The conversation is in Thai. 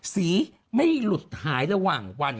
สีไม่หลุดหายระหว่างวัน